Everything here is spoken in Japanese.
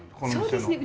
そうですね。